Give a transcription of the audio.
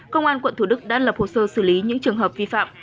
công an quận thủ đức đã lập hồ sơ xử lý những trường hợp vi phạm